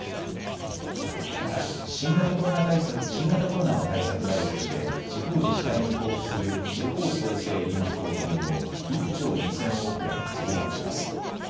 また新型コロナの対策などとして地方自治体に交付する地方創生臨時交付金を１兆２０００億円増額します。